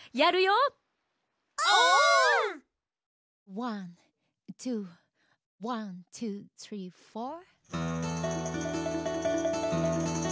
ワンツーワンツースリーフォー。